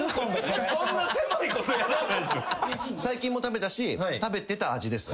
最近も食べたし食べてた味です。